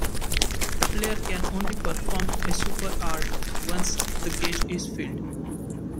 The player can only perform a Super Art once the gauge is filled.